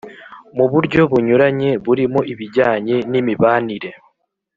mu buryo bunyuranye, burimo ibijyanye n’imibanire